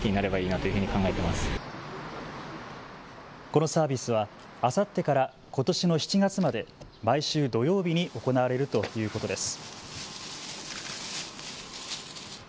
このサービスは、あさってからことしの７月まで毎週土曜日に行われるということです。